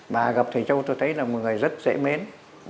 và gặp thầy châu tôi thấy là một người rất dễ mến